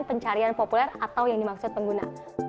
pencarian populer atau yang dimaksud pengguna